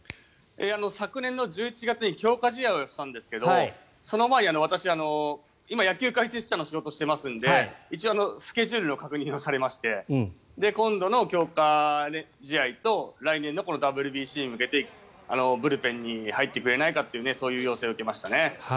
昨年の１１月に強化試合をしたんですけどその前に私、今、野球解説者の仕事をしていますので一応、スケジュールの確認をされまして今度の強化試合と来年のＷＢＣに向けてブルペンに入ってくれないかという要請を受けました。